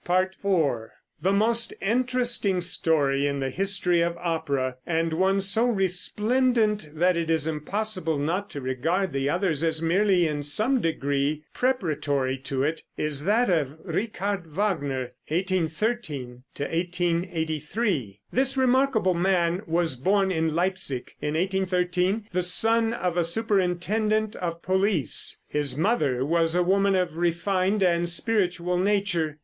IV. The most interesting story in the history of opera, and one so resplendent that it is impossible not to regard the others as merely in some degree preparatory to it, is that of Richard Wagner (1813 1883). This remarkable man was born in Leipsic in 1813, the son of a superintendent of police. His mother was a woman of refined and spiritual nature.